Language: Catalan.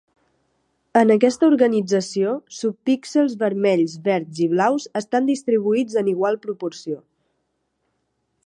En aquesta organització, subpíxels vermells, verds i blaus estan distribuïts en igual proporció.